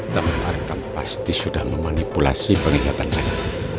teman arkam pasti sudah memanipulasi pengingatan saya